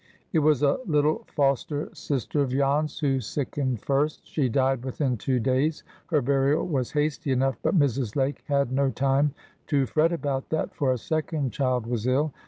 It was a little foster sister of Jan's who sickened first. She died within two days. Her burial was hasty enough, but Mrs. Lake had no time to fret about that, for a second child was ill.